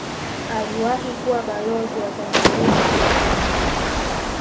aliwahi kuwa balozi wa tanzania nchini canada